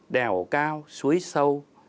đèo cao suối sâu